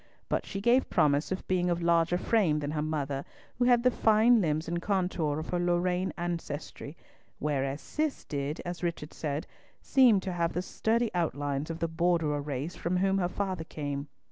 But she gave promise of being of larger frame than her mother, who had the fine limbs and contour of her Lorraine ancestry, whereas Cis did, as Richard said, seem to have the sturdy outlines of the Borderer race from whom her father came.